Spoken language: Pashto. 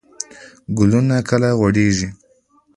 ګلونه کله غوړیږي؟